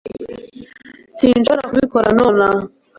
sinshobora kubikora nonaha